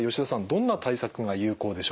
どんな対策が有効でしょうか？